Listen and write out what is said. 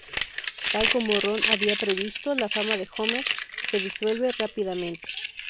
Tal como Ron había previsto, la fama de Homer se disuelve rápidamente.